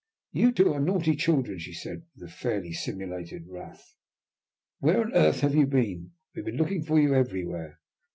"You are two naughty children," she said, with fairly simulated wrath. "Where on earth have you been? We have been looking for you everywhere!"